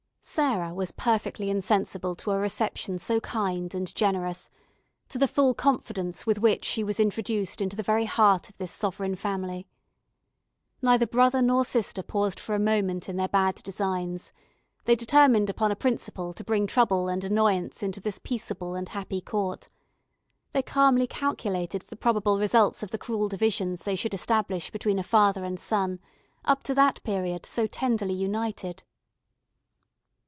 Sarah was perfectly insensible to a reception so kind and generous, to the full confidence with which she was introduced into the very heart of this sovereign family. Neither brother nor sister paused for a moment in their bad designs; they determined upon a principle to bring trouble and annoyance into this peaceable and happy court; they calmly calculated the probable results of the cruel divisions they should establish between a father and son, up to that period so tenderly united.